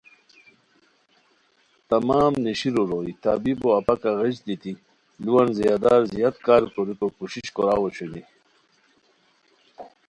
تمام نیشیرو روئے طبیبو اپاکہ غیچ دیتی لوُان زیادار زیاد کار کوریکو کوشش کوراؤ اوشونی